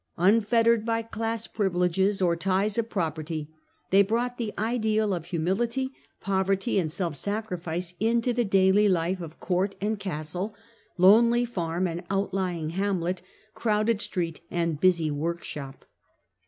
Unfettered by class privileges or ties of property, they brought the ideal of humility, poverty, and self sacrifice into the daily life of court and castle, lonely farm and outlying hamlet, crowded street and busy workshop.